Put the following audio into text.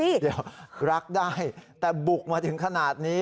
เดี๋ยวรักได้แต่บุกมาถึงขนาดนี้